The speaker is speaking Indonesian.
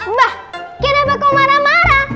mbah kenapa kau marah marah